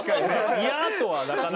嫌とはなかなか。